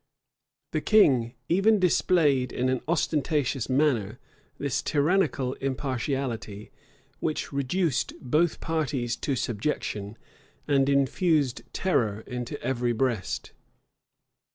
[] The king even displayed in an ostentatious manner this tyrannical impartiality, which reduced both parties to subjection, and infused terror into every breast.